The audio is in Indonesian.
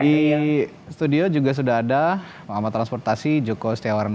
di studio juga sudah ada pengamat transportasi joko setiawarna